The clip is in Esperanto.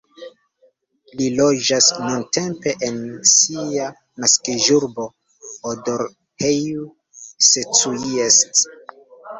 Li loĝas nuntempe en sia naskiĝurbo, Odorheiu Secuiesc.